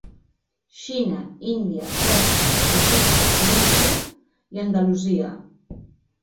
Xina, Índia, Pèrsia, Egipte, Tunísia i Andalusia.